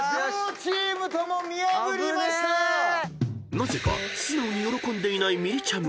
［なぜか素直に喜んでいないみりちゃむ］